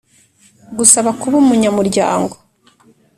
Gusaba kuba umunyamuryango